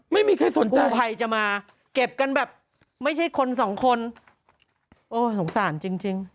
ไม่มีใครสนใจภัยจะมาเก็บกันแบบไม่ใช่คนสองคนโอ้สงสารจริงจริง